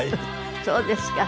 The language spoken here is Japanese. そうですか。